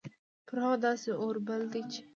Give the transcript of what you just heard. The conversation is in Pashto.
پر هغو داسي اور بل ده چې